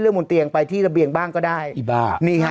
บนเตียงไปที่ระเบียงบ้างก็ได้อีบ้านี่ฮะ